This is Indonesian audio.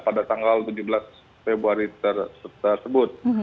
pada tanggal tujuh belas februari tersebut